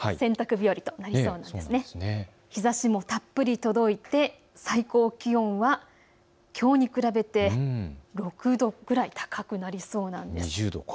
日ざしもたっぷり届いて最高気温はきょうに比べて６度くらい高くなりそうなんです。